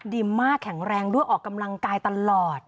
ดีมากแข็งแรงด้วยออกกำลังกายตลอด